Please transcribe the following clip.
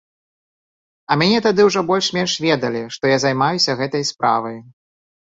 А мяне тады ўжо больш-менш ведалі, што я займаюся гэтай справай.